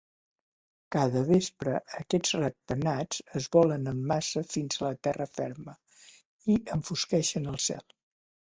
Cada vespre, aquests ratpenats es volen en massa fins a terra ferma i enfosqueixen el cel.